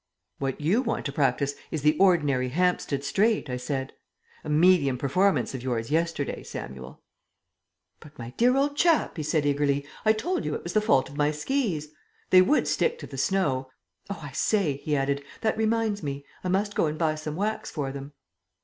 "What you want to practise is the ordinary Hampstead Straight," I said. "A medium performance of yours yesterday, Samuel." "But, my dear old chap," he said eagerly, "I told you it was the fault of my skis. They would stick to the snow. Oh, I say," he added, "that reminds me. I must go and buy some wax for them."